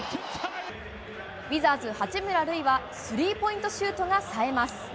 ウィザーズ、八村塁はスリーポイントシュートが冴えます。